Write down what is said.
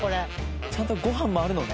ちゃんとご飯もあるのね。